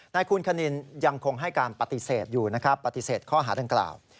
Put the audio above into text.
นายคุณคณินยังคงให้การปฏิเสธอยู่นะครับปฏิเสธข้อหาดังกล่าว